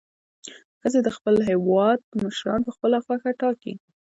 ښځې د خپل هیواد مشران په خپله خوښه ټاکي.